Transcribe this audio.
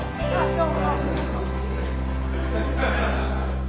どうも。